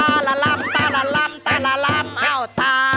อบเตอร์มหาสนุกกลับมาสร้างความสนานครื้นเครงพร้อมกับแขกรับเชิง